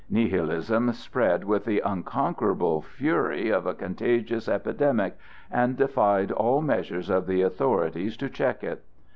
Nihilism spread with the unconquerable fury of a contagious epidemic and defied all measures of the authorities to check it.